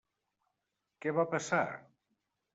Què va passar?